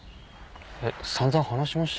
えっ散々話しました。